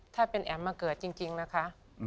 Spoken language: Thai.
ถ้าเป็นแอ๋มมาเกิดจริงนะคะ